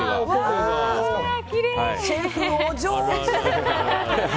シェフ、お上手！